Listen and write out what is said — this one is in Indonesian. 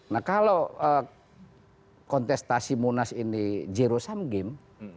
nah kalau kontestasi munas ini zero sum game